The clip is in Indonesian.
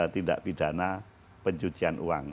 tindak pidana pencucian uang